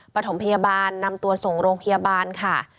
ประถมพยาบาลนำตัวส่งโรงพยาบาลค่ะ